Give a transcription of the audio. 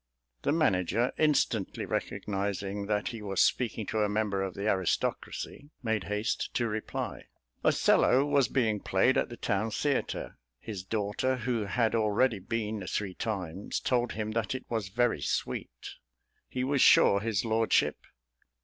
The manager, instantly recognising that he was speaking to a member of the aristocracy, made haste to reply. "Othello" was being played at the town theatre. His daughter, who had already been three times, told him that it was very sweet. He was sure his lordship....